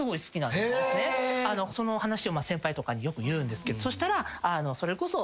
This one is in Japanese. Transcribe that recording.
その話を先輩とかによく言うんですけどそしたらそれこそ。